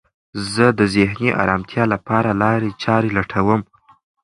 زه د ذهني ارامتیا لپاره لارې چارې لټوم.